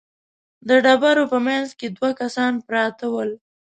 د ډبرو په مينځ کې دوه کسان پراته ول.